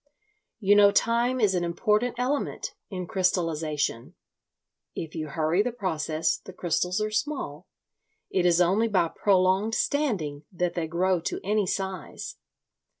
You know time is an important element in crystallisation. If you hurry the process the crystals are small—it is only by prolonged standing that they grow to any size.